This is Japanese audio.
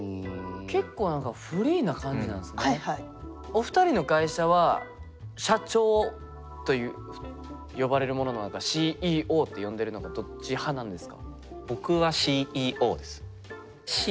結構何かお二人の会社は社長という呼ばれるものなのかＣＥＯって呼んでるのかどっち派なんですか？